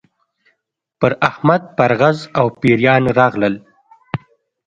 پر احمد پرغز او پېریان راغلل.